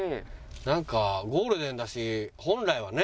なんかゴールデンだし本来はね